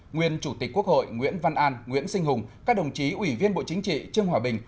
nguyên chủ tịch quốc hội nguyễn văn an nguyễn sinh hùng các đồng chí ủy viên bộ chính trị trương hòa bình